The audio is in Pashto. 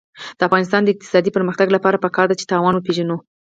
د افغانستان د اقتصادي پرمختګ لپاره پکار ده چې تاوان وپېژنو.